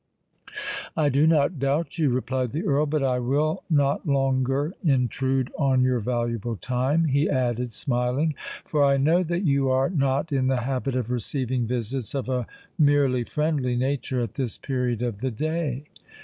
"I do not doubt you," replied the Earl. "But I will not longer intrude on your valuable time," he added, smiling; "for I know that you are not in the habit of receiving visits of a merely friendly nature at this period of the day."